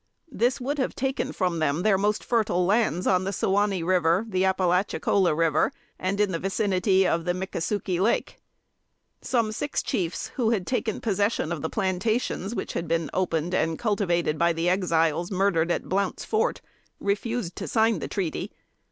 This would have taken from them their most fertile lands on the Suwanee River, the Appalachicola River, and in the vicinity of the Mickasukie Lake. Some six chiefs, who had taken possession of the plantations which had been opened and cultivated by the Exiles murdered at "Blount's Fort," refused to sign the treaty.